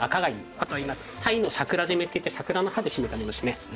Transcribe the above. あとは今鯛の桜締めっていって桜の葉で締めてありますね。